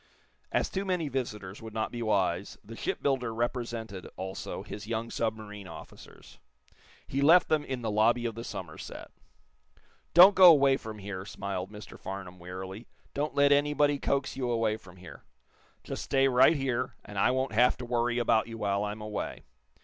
As too many visitors would not be wise the shipbuilder represented, also, his young submarine officers. He left them in the lobby of the Somerset. "Don't go away from here," smiled Mr. Farnum, wearily. "Don't let anybody coax you away from here. Just stay right here, and I won't have to worry about you while I'm away.